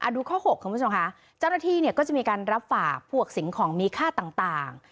ดูข้อ๖คุณผู้ชมค่ะเจ้าหน้าที่เนี่ยก็จะมีการรับฝากพวกสิ่งของมีค่าต่าง